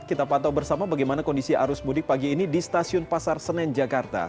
kita pantau bersama bagaimana kondisi arus mudik pagi ini di stasiun pasar senen jakarta